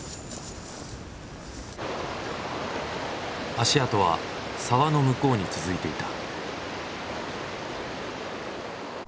足跡は沢の向こうに続いていた。